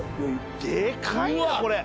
でかいなこれ。